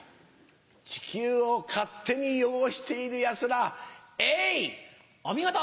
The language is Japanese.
地球を勝手に汚しているやつお見事！